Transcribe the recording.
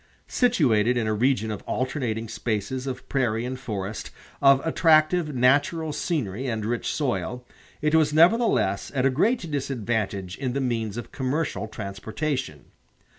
Situated in a region of alternating spaces of prairie and forest, of attractive natural scenery and rich soil, it was nevertheless at a great disadvantage in the means of commercial transportation.